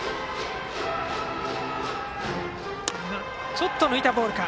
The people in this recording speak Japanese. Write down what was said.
ちょっと抜いたボールか。